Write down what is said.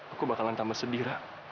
aku akan tambah sedih